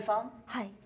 はい。